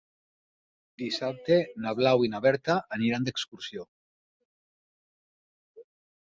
Dissabte na Blau i na Berta aniran d'excursió.